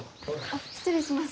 あっ失礼します。